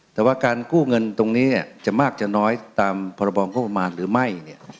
แต่ว่าการกู้เงินตรงนี้เนี่ยจะมากจะน้อยตามพรบองโครงประมาณหรือไม่เนี่ย